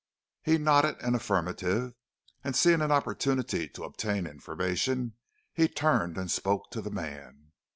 He nodded an affirmative, and seeing an opportunity to obtain information turned and spoke to the man.